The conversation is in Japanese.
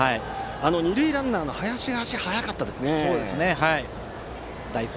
二塁ランナーの林の足が速かったですね。